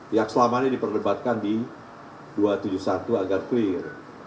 yang selama ini diperdebatkan di dua ratus tujuh puluh satu agar clear